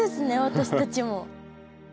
私たちも。